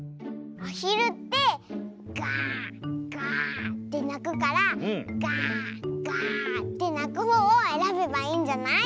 アヒルってガーガーってなくからガーガーってなくほうをえらべばいいんじゃない？